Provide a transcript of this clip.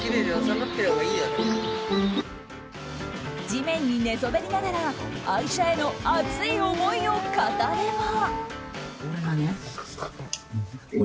地面に寝そべりながら愛車への熱い思いを語れば。